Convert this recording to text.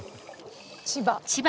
「千葉」。